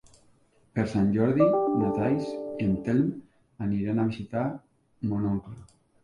Per Sant Jordi na Thaís i en Telm aniran a visitar mon oncle.